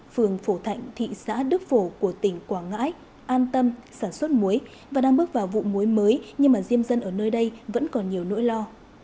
phường phổ thạnh thị xã đức phổ của tỉnh quảng ngãi an tâm sản xuất muối và đang bước vào vụ muối mới nhưng diêm dân ở nơi đây vẫn còn nhiều nỗi lo